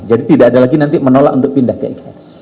jadi tidak ada lagi nanti menolak untuk pindah ke ikn